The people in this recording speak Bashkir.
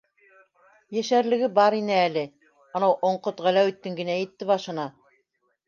Йәшәрлеге бар ине әле, анау оңҡот Ғәләүетдин генә етте башына!